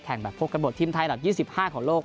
แข่งแบบพกกันบททีมไทยหลัดยี่สิบห้าของโลก